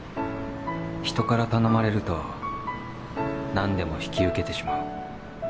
人から頼まれると何でも引き受けてしまう。